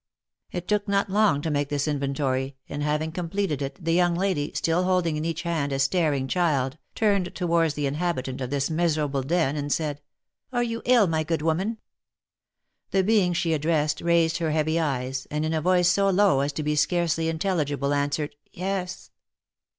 It took not long to make this inventory, and having completed it, the young lady, still holding in each hand a staring child, turned towards the inhabitant of this miserable den, and said, " Are you ill, my good woman V The being she addressed raised her heavy eyes, and in a voice so low as to be scarcely intelligible, answered " Yes."